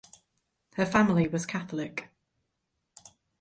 Her family was Catholic.